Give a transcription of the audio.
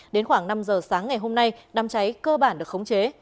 đến khoảng năm giờ sáng ngày hôm nay đám cháy cơ bản được khống chế